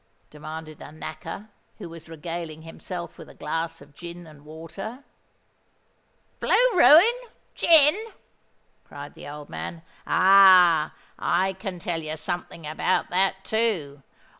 demanded a Knacker, who was regaling himself with a glass of gin and water. "Blue ruin—gin!" cried the old man. "Ah! I can tell you something about that too.